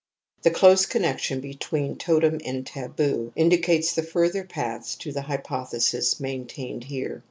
Jlhe close connection between totem and taboo indicates the further paths to the hypothesis maintained here.